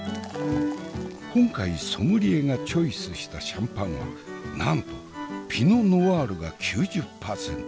今回ソムリエがチョイスしたシャンパンはなんとピノ・ノワールが９０％。